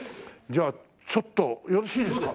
じゃあちょっとよろしいですか？